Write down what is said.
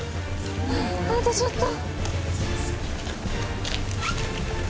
あとちょっと。